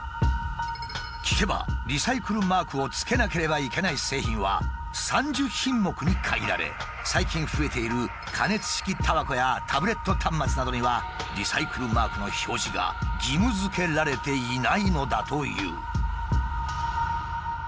聞けばリサイクルマークをつけなければいけない製品は３０品目に限られ最近増えている加熱式タバコやタブレット端末などにはリサイクルマークの表示が義務づけられていないのだという。